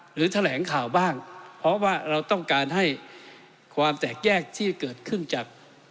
หรือแถลงข่าวบ้างเพราะว่าเราต้องการให้ความแตกแยกที่เกิดขึ้นจาก